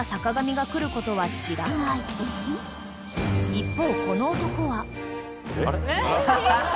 ［一方］